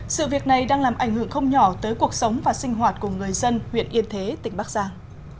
sự việc này đang làm ảnh hưởng không nhỏ tới cuộc sống và sinh hoạt của người dân huyện yên thế tỉnh bắc giang